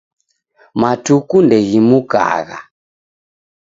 Matuku ndeghimukagha.